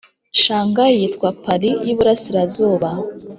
shanghai yitwa paris yi burasirazuba.